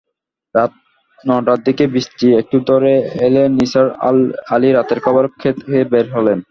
রাত নটার দিকে বৃষ্টি একটু ধরে এলে নিসার আলি রাতের খাবার খেতে বের হলেন।